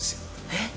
えっ？